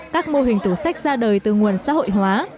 các mô hình tủ sách ra đời từ nguồn xã hội hóa